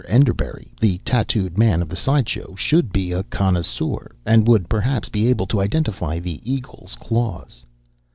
Enderbury, the tattooed man of the side show, should be a connoisseur and would perhaps be able to identify the eagle's claws.